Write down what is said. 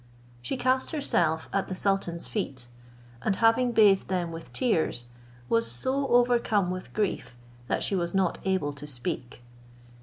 She cast herself at the sultan's feet, and having bathed them with tears, was so overcome with grief, that she was not able to speak.